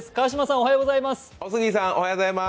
お杉さん、おはようございます。